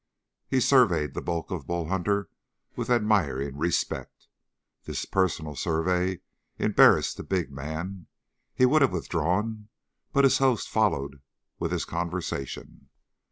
He surveyed the bulk of Bull Hunter with admiring respect. This personal survey embarrassed the big man. He would have withdrawn, but his host followed with his conversation.